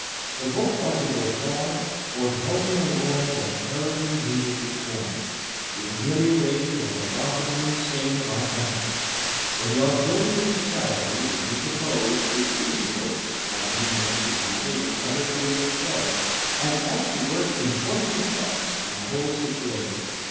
The book ought to go far toward helping along that terribly needed reform, the amelioration of the lot of the insane of our country, for the Auxiliary Society which you propose is feasible (as numerous examples in other fields show), and ought to work important effects on the whole situation.